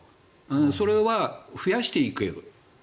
それは増やしていける。